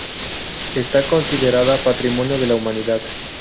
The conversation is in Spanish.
Está considerada Patrimonio de la Humanidad.